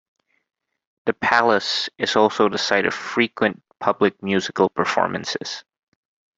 The Palace is also the site of frequent public musical performances.